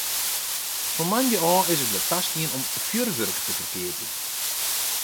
Fan moandei ôf is it wer tastien om fjurwurk te ferkeapjen.